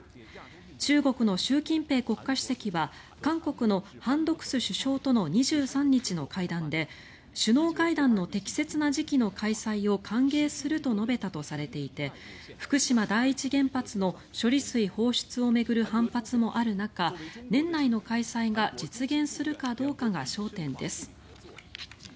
中国の習近平国家主席は韓国のハン・ドクス首相との２３日の会談で首脳会談の適切な時期の開催を歓迎すると述べたとされていて福島第一原発の処理水放出を巡る反発もある中年内の開催が実現するかどうかが焦点です。